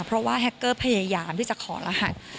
เพราะว่าแฮคเกอร์พยายามที่จะขอรหัส